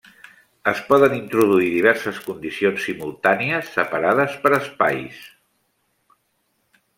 Es poden introduir diverses condicions simultànies separades per espais.